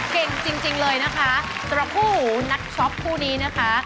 เก่งจริงเลยนะคะแต่ละผู้หนักช็อปผู้นี้นะคะ